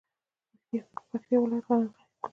پکتیا ولایت غني کلتور لري